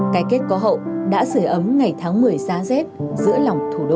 cái kết có hậu đã sửa ấm ngày tháng một mươi ra dép giữa lòng thủ đô